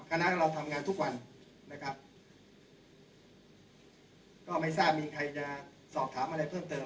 คณะเราทำงานทุกวันนะครับก็ไม่ทราบมีใครจะสอบถามอะไรเพิ่มเติม